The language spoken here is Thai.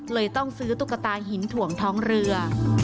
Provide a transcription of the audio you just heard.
เลยต้องซื้อตุ๊กตาหินถ่วงท้องเรือ